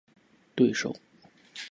对手